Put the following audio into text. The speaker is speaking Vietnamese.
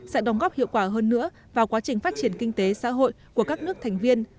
sẽ đóng góp hiệu quả hơn nữa vào quá trình phát triển kinh tế xã hội của các nước thành viên